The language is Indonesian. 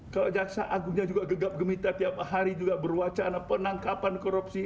kalau jaksa agungnya juga gegap gemita tiap hari juga berwacana penangkapan korupsi